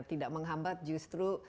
tidak menghambat justru